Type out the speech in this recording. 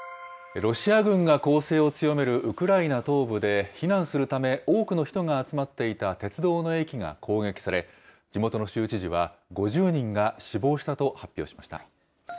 ロシア軍が攻勢を強めるウクライナ東部で避難するため、多くの人が集まっていた鉄道の駅が攻撃され、地元の州知事は、５０人が死亡したと発表しました。